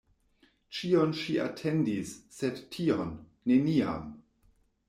Ĉion ŝi atendis, sed tion — neniam.